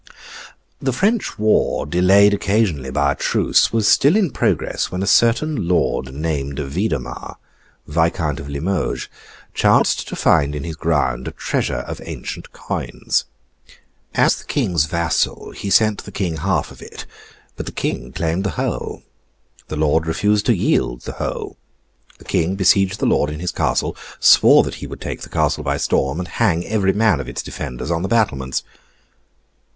The French war, delayed occasionally by a truce, was still in progress when a certain Lord named Vidomar, Viscount of Limoges, chanced to find in his ground a treasure of ancient coins. As the King's vassal, he sent the King half of it; but the King claimed the whole. The lord refused to yield the whole. The King besieged the lord in his castle, swore that he would take the castle by storm, and hang every man of its defenders on the battlements.